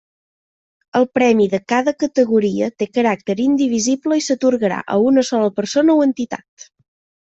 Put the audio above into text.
El premi de cada categoria té caràcter indivisible i s'atorgarà a una sola persona o entitat.